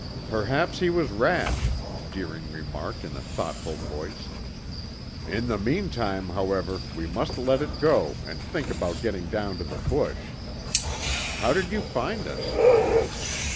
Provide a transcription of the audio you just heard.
"Perhaps he was rash," Deering remarked in a thoughtful voice. "In the meantime, however, we must let it go and think about getting down to the bush. How did you find us?"